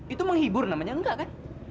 itu menghibur namanya enggak kan